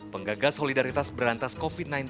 penggagas solidaritas berantas covid sembilan belas